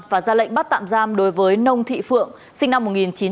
và ra lệnh bắt tạm giam đối với nông thị phượng sinh năm một nghìn chín trăm tám mươi